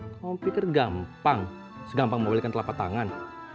kamu pikir gampang segampang mau belikan telapak tangan